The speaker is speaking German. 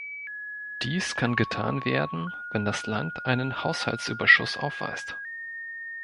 Dies kann getan werden, wenn das Land einen Haushaltsüberschuss aufweist.